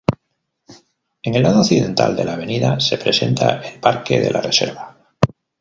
En el lado occidental de la avenida se presenta el Parque de la Reserva.